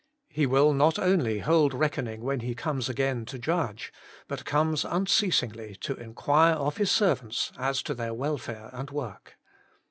He will not only hold reckoning when He comes again to judge, but comes unceasingly to inquire of His servants as to their welfare and work.